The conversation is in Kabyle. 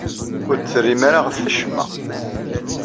Ur d-terrim ɣef wacemma.